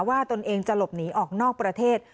ตนเองจะหลบหนีออกนอกประเทศ